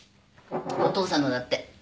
お父さんのだって。